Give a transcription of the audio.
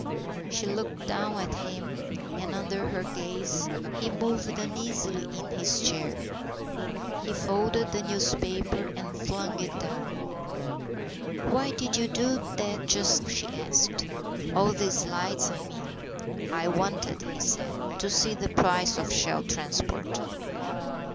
She looked down at him, and under her gaze he moved uneasily in his chair. He folded the newspaper and flung it down. " Why did you do that just now ?" she asked. " All these lights, I mean." " I wanted," he said, " to see the price of Shell Transport."